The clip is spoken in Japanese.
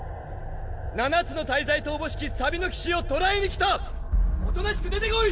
七つの大罪とおぼしきの騎士を捕らえに来た！・おとなしく出てこい！